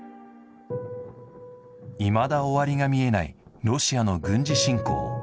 いまだ終わりが見えないロシアの軍事侵攻。